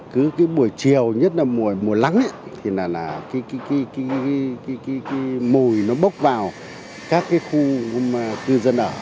cứ cái buổi chiều nhất là mùa mùa lắng thì là cái mùi nó bốc vào các cái khu cư dân ở